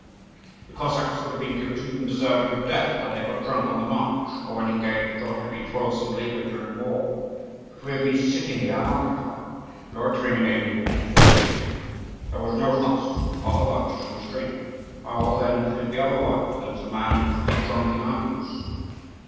The Cossacks would have been guilty, and deserving of death, had they got drunk on the march, or when engaged on heavy toilsome labour during war; but we have been sitting here unoccupied, loitering in vain before the city. There was no fast or other Christian restraint; how then could it be otherwise than that a man should get drunk in idleness?